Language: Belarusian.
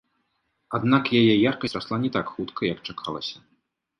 Аднак яе яркасць расла не так хутка, як чакалася.